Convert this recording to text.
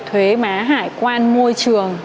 thuế má hải quan môi trường